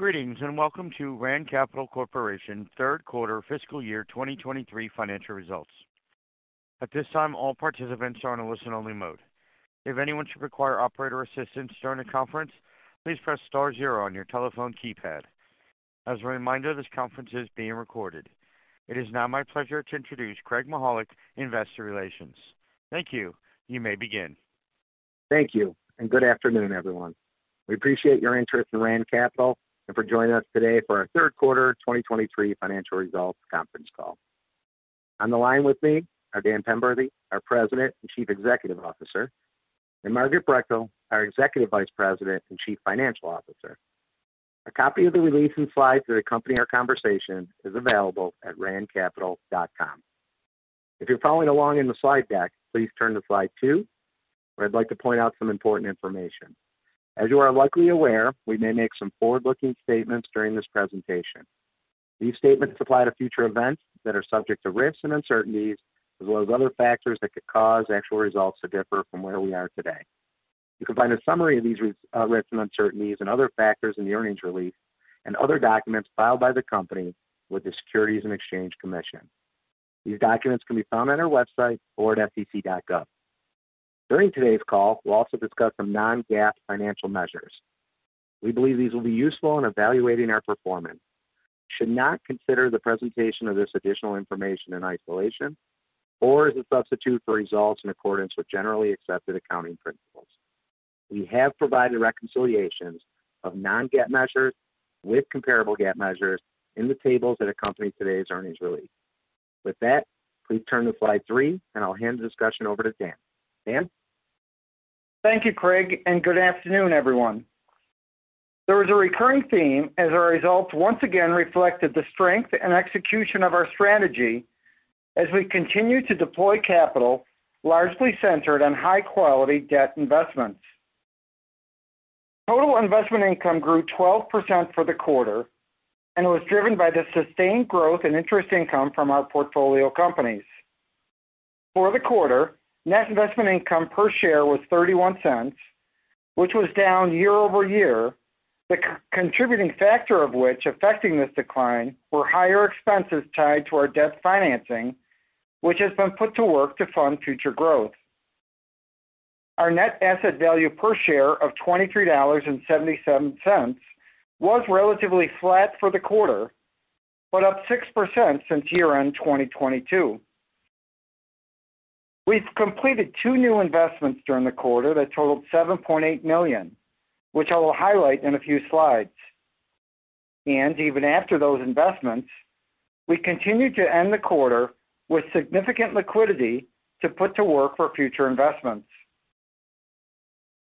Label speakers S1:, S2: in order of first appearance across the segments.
S1: Greetings, and welcome to Rand Capital Corporation third quarter fiscal year 2023 financial results. At this time, all participants are in a listen-only mode. If anyone should require operator assistance during the conference, please press star zero on your telephone keypad. As a reminder, this conference is being recorded. It is now my pleasure to introduce Craig Mychajluk, Investor Relations. Thank you. You may begin.
S2: Thank you, and good afternoon, everyone. We appreciate your interest in Rand Capital and for joining us today for our third quarter 2023 financial results conference call. On the line with me are Dan Penberthy, our President and Chief Executive Officer, and Margaret Brechtel, our Executive Vice President and Chief Financial Officer. A copy of the release and slides that accompany our conversation is available at randcapital.com. If you're following along in the slide deck, please turn to slide 2, where I'd like to point out some important information. As you are likely aware, we may make some forward-looking statements during this presentation. These statements apply to future events that are subject to risks and uncertainties, as well as other factors that could cause actual results to differ from where we are today. You can find a summary of these risks and uncertainties and other factors in the earnings release and other documents filed by the company with the Securities and Exchange Commission. These documents can be found on our website or at SEC.gov. During today's call, we'll also discuss some non-GAAP financial measures. We believe these will be useful in evaluating our performance. You should not consider the presentation of this additional information in isolation or as a substitute for results in accordance with generally accepted accounting principles. We have provided reconciliations of non-GAAP measures with comparable GAAP measures in the tables that accompany today's earnings release. With that, please turn to slide three, and I'll hand the discussion over to Dan. Dan?
S3: Thank you, Craig, and good afternoon, everyone. There was a recurring theme as our results once again reflected the strength and execution of our strategy as we continue to deploy capital largely centered on high-quality debt investments. Total investment income grew 12% for the quarter and was driven by the sustained growth in interest income from our portfolio companies. For the quarter, net investment income per share was $0.31, which was down year-over-year. The contributing factor of which affecting this decline were higher expenses tied to our debt financing, which has been put to work to fund future growth. Our net asset value per share of $23.77 was relatively flat for the quarter, but up 6% since year-end 2022. We've completed two new investments during the quarter that totaled $7.8 million, which I will highlight in a few slides. Even after those investments, we continued to end the quarter with significant liquidity to put to work for future investments.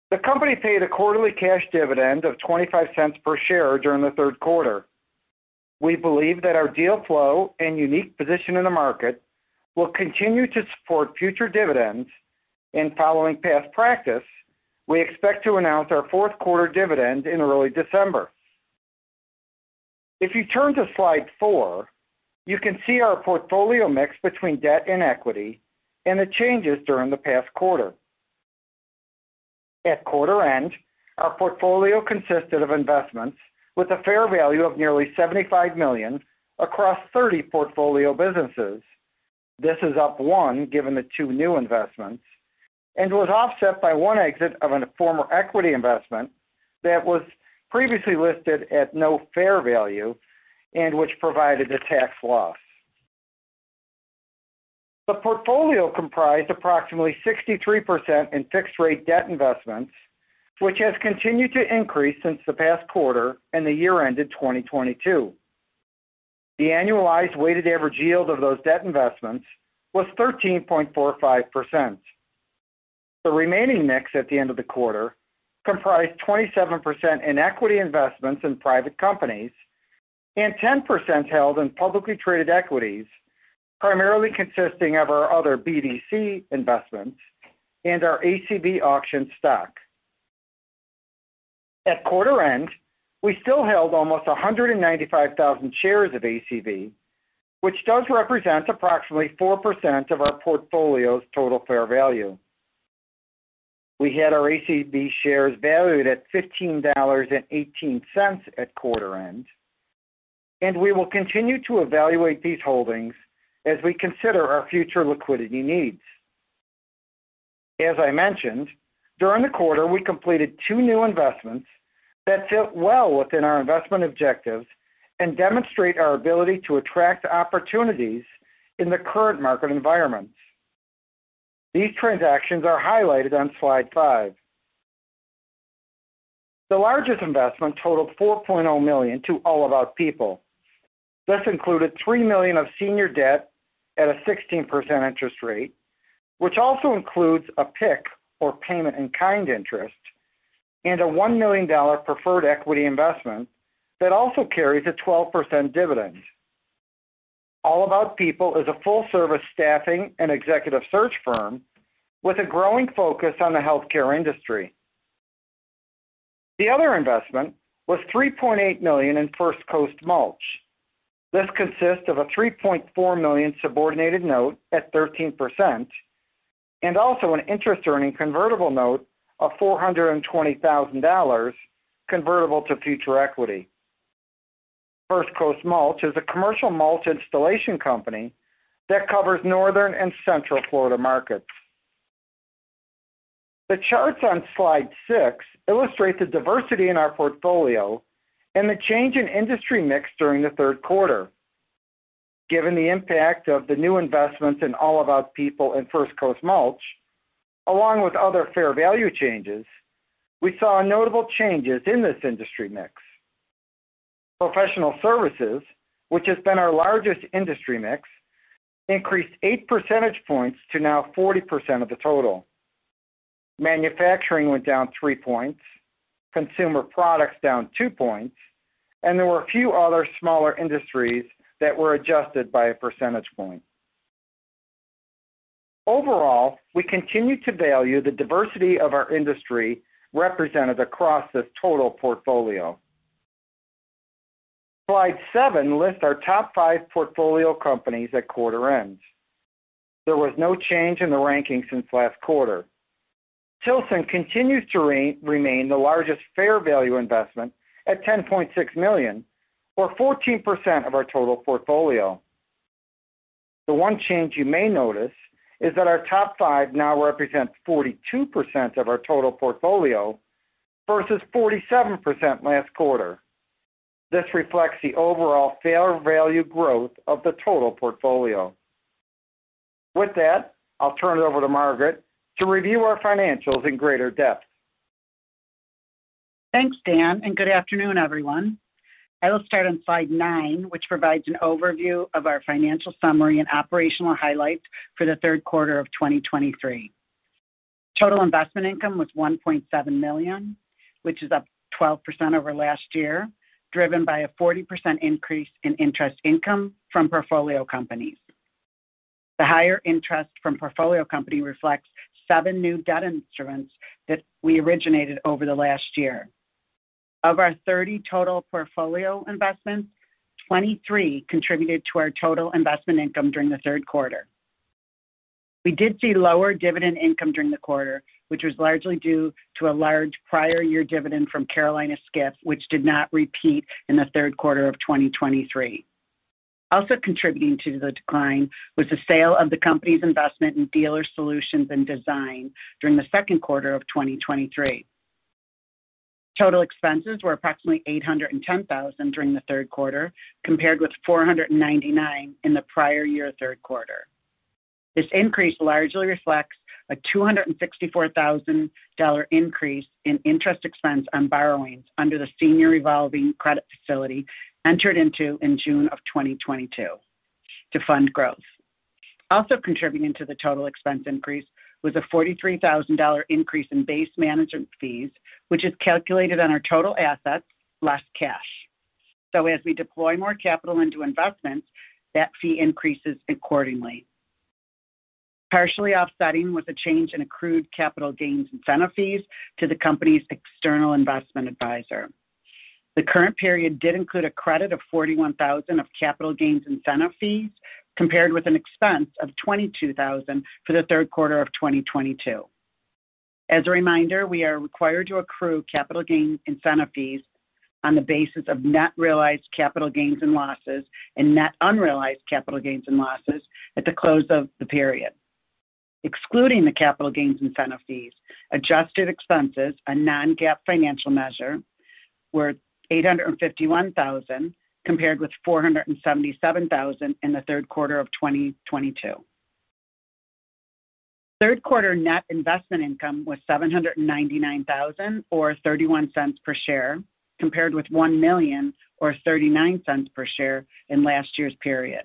S3: The company paid a quarterly cash dividend of $0.25 per share during the third quarter. We believe that our deal flow and unique position in the market will continue to support future dividends, and following past practice, we expect to announce our fourth-quarter dividend in early December. If you turn to slide 4, you can see our portfolio mix between debt and equity and the changes during the past quarter. At quarter end, our portfolio consisted of investments with a fair value of nearly $75 million across 30 portfolio businesses. This is up 1, given the 2 new investments, and was offset by 1 exit of a former equity investment that was previously listed at no fair value and which provided a tax loss. The portfolio comprised approximately 63% in fixed-rate debt investments, which has continued to increase since the past quarter and the year ended 2022. The annualized weighted average yield of those debt investments was 13.45%. The remaining mix at the end of the quarter comprised 27% in equity investments in private companies and 10% held in publicly traded equities, primarily consisting of our other BDC investments and our ACV Auctions stock. At quarter end, we still held almost 195,000 shares of ACV, which does represent approximately 4% of our portfolio's total fair value. We had our ACV shares valued at $15.18 at quarter end, and we will continue to evaluate these holdings as we consider our future liquidity needs. As I mentioned, during the quarter, we completed two new investments that fit well within our investment objectives and demonstrate our ability to attract opportunities in the current market environment. These transactions are highlighted on slide five. The largest investment totaled $4.0 million to All About People. This included $3 million of senior debt at a 16% interest rate, which also includes a PIK, or payment in kind interest, and a $1 million preferred equity investment that also carries a 12% dividend. All About People is a full-service staffing and executive search firm with a growing focus on the healthcare industry. The other investment was $3.8 million in First Coast Mulch. This consists of a $3.4 million subordinated note at 13% and also an interest-earning convertible note of $420,000, convertible to future equity. First Coast Mulch is a commercial mulch installation company that covers northern and central Florida markets. The charts on slide 6 illustrate the diversity in our portfolio and the change in industry mix during the third quarter. Given the impact of the new investments in All About People and First Coast Mulch, along with other fair value changes, we saw notable changes in this industry mix. Professional services, which has been our largest industry mix, increased eight percentage points to now 40% of the total. Manufacturing went down three points, consumer products down two points, and there were a few other smaller industries that were adjusted by a percentage point. Overall, we continue to value the diversity of our industry represented across this total portfolio. Slide seven lists our top five portfolio companies at quarter end. There was no change in the ranking since last quarter. Tilson continues to re-remain the largest fair value investment at $10.6 million, or 14% of our total portfolio. The one change you may notice is that our top five now represents 42% of our total portfolio, versus 47% last quarter. This reflects the overall fair value growth of the total portfolio. With that, I'll turn it over to Margaret to review our financials in greater depth.
S4: Thanks, Dan, and good afternoon, everyone. I will start on slide 9, which provides an overview of our financial summary and operational highlights for the third quarter of 2023. Total investment income was $1.7 million, which is up 12% over last year, driven by a 40% increase in interest income from portfolio companies. The higher interest from portfolio company reflects 7 new debt instruments that we originated over the last year. Of our 30 total portfolio investments, 23 contributed to our total investment income during the third quarter. We did see lower dividend income during the quarter, which was largely due to a large prior year dividend from Carolina Skiff, which did not repeat in the third quarter of 2023. Also contributing to the decline was the sale of the company's investment in Dealer Solutions and Design during the second quarter of 2023. Total expenses were approximately $810,000 during the third quarter, compared with $499,000 in the prior year third quarter. This increase largely reflects a $264,000 increase in interest expense on borrowings under the Senior Revolving Credit Facility, entered into in June of 2022 to fund growth. Also contributing to the total expense increase was a $43,000 increase in base management fees, which is calculated on our total assets, less cash. So as we deploy more capital into investments, that fee increases accordingly. Partially offsetting was a change in accrued capital gains incentive fees to the company's external investment advisor. The current period did include a credit of $41,000 of capital gains incentive fees, compared with an expense of $22,000 for the third quarter of 2022. As a reminder, we are required to accrue capital gain incentive fees on the basis of net realized capital gains and losses, and net unrealized capital gains and losses at the close of the period. Excluding the capital gains incentive fees, adjusted expenses, a non-GAAP financial measure, were $851,000, compared with $477,000 in the third quarter of 2022. Third quarter net investment income was $799,000 or $0.31 per share, compared with $1,000,000 or $0.39 per share in last year's period.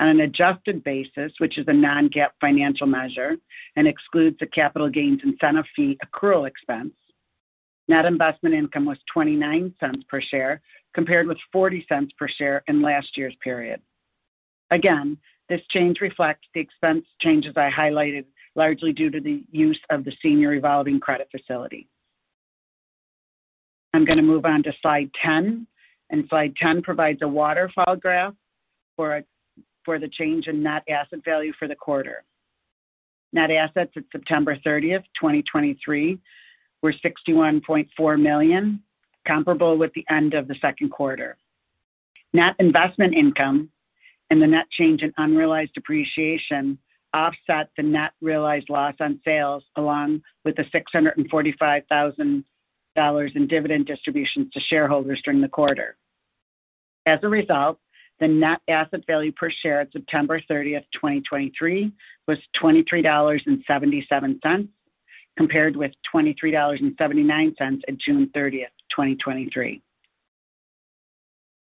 S4: On an adjusted basis, which is a non-GAAP financial measure, and excludes the capital gains incentive fee accrual expense, net investment income was $0.29 per share, compared with $0.40 per share in last year's period. Again, this change reflects the expense changes I highlighted, largely due to the use of the Senior Revolving Credit Facility. I'm going to move on to slide 10, and slide 10 provides a waterfall graph for the change in net asset value for the quarter. Net assets at September 30, 2023, were $61.4 million, comparable with the end of the second quarter. Net investment income and the net change in unrealized appreciation offset the net realized loss on sales, along with the $645,000 in dividend distributions to shareholders during the quarter. As a result, the net asset value per share at September 30, 2023, was $23.77, compared with $23.79 at June 30, 2023.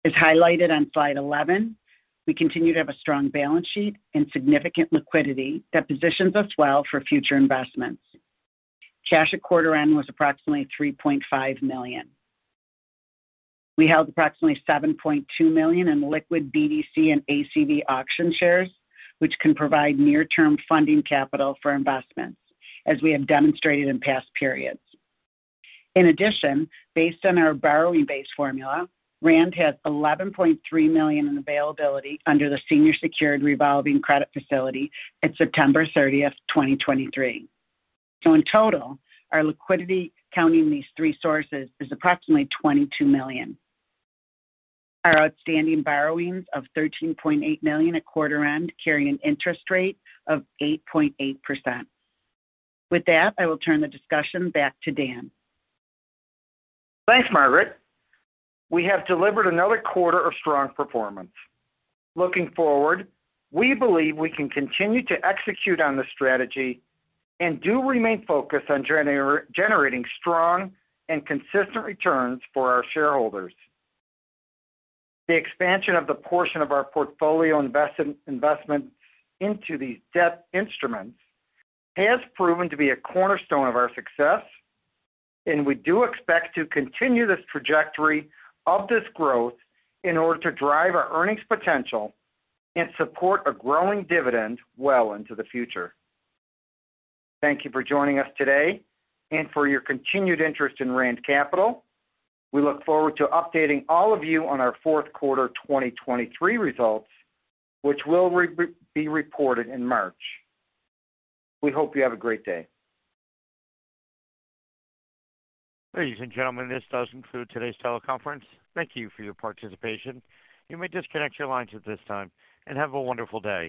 S4: As highlighted on slide 11, we continue to have a strong balance sheet and significant liquidity that positions us well for future investments. Cash at quarter end was approximately $3.5 million. We held approximately $7.2 million in liquid BDC and ACV Auctions shares, which can provide near-term funding capital for investments, as we have demonstrated in past periods. In addition, based on our borrowing base formula, Rand has $11.3 million in availability under the Senior Secured Revolving Credit Facility at September 30, 2023. So in total, our liquidity, counting these three sources, is approximately $22 million. Our outstanding borrowings of $13.8 million at quarter end carry an interest rate of 8.8%. With that, I will turn the discussion back to Dan.
S3: Thanks, Margaret. We have delivered another quarter of strong performance. Looking forward, we believe we can continue to execute on this strategy and do remain focused on generating strong and consistent returns for our shareholders. The expansion of the portion of our portfolio investment into these debt instruments has proven to be a cornerstone of our success, and we do expect to continue this trajectory of this growth in order to drive our earnings potential and support a growing dividend well into the future. Thank you for joining us today and for your continued interest in Rand Capital. We look forward to updating all of you on our fourth quarter 2023 results, which will be reported in March. We hope you have a great day.
S1: Ladies and gentlemen, this does conclude today's teleconference. Thank you for your participation. You may disconnect your lines at this time, and have a wonderful day.